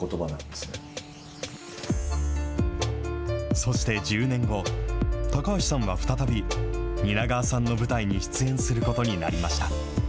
そして１０年後、高橋さんは再び、蜷川さんの舞台に出演することになりました。